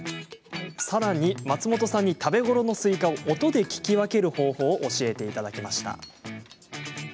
さらに、松本さんに食べ頃のスイカを音で聞き分ける方法を教えていただきました。